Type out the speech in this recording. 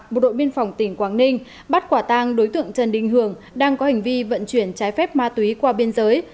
bộ đội biên phòng tỉnh quảng ninh bắt quả tang đối tượng trần đình hường đang có hành vi vận chuyển trái phép ma túy qua biên giới